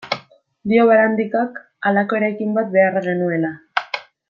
Dio Barandikak, halako eraikin bat behar genuela.